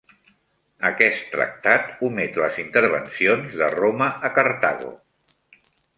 Aquest tractat omet les intervencions de Roma a Cartago.